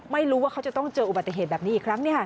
ไม่รู้ว่าเขาจะต้องเจออุบัติเหตุแบบนี้อีกครั้ง